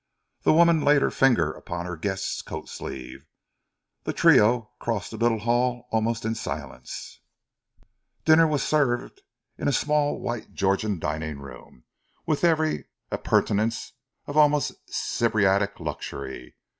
The woman laid her fingers upon her guest's coat sleeve. The trio crossed the little hall almost in silence. Dinner was served in a small white Georgian dining room, with every appurtenance of almost Sybaritic luxury.